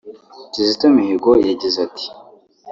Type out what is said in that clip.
Kizito Mihigo yagize ati